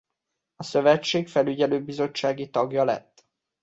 A szövetség felügyelőbizottsági tagja lett.